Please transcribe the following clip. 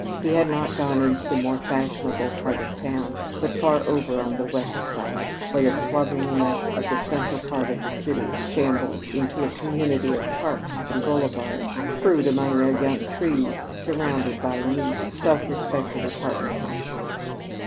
He had not gone into the more fashionable part of town, but far over on the West Side, where the slovenliness of the central part of the city shambles into a community of parks and boulevards, crude among their young trees surrounded by neat, self respecting apartment houses.